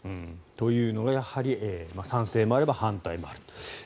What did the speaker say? というのがやはり賛成もあれば反対もあると。